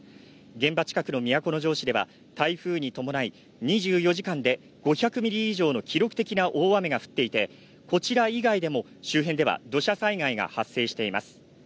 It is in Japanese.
現場近くの都城市では台風に伴い２４時間で５００ミリ以上の記録的な大雨が降っていて、こちら以外でも周辺では土砂災害が発生しています。